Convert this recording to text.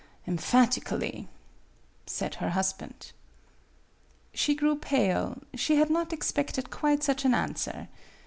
"Emphatically," said her husband. She grew pale; she had not expected quite such an answer.